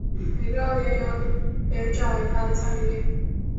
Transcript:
每个连由连长与他的下命令。